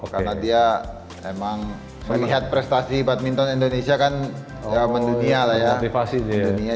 karena dia memang melihat prestasi badminton indonesia kan ya mendunia lah ya